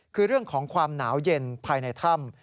คือเรื่องของความหนาวเย็นภายในถ้ำ